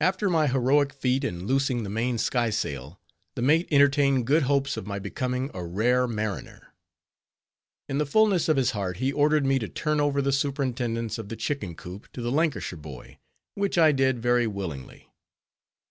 After my heroic feat in loosing the main skysail, the mate entertained good hopes of my becoming a rare mariner. In the fullness of his heart, he ordered me to turn over the superintendence of the chicken coop to the Lancashire boy; which I did, very willingly.